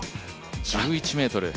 １１ｍ。